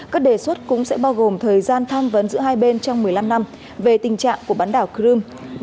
các đề xuất cũng sẽ bao gồm thời gian tham vấn giữa hai bên trong một mươi năm năm về tình trạng của bán đảo crimea